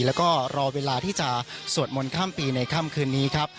แล้วก็รอเวลาที่จะสวดมนต์ข้ามปีในค่ำคืนนี้ครับ